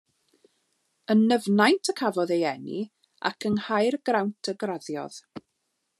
Yn Nyfnaint y cafodd ei eni, ac yng Nghaergrawnt y graddiodd.